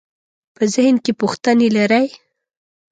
په ذهن کې پوښتنې لرئ؟